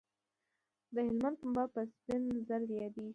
د هلمند پنبه په سپین زر یادیږي